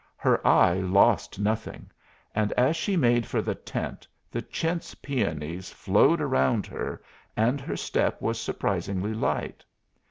Her eye lost nothing; and as she made for the tent the chintz peonies flowed around her, and her step was surprisingly light.